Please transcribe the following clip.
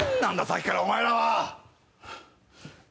⁉さっきからお前らは。